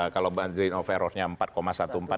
kalau margin of errornya empat satu empat dua